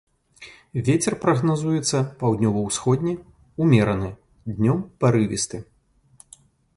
Вецер прагназуецца паўднёва-ўсходні ўмераны, днём парывісты.